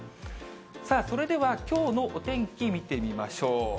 さあそれでは、きょうのお天気見てみましょう。